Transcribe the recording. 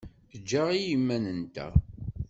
Ejj-aɣ i yiman-nteɣ.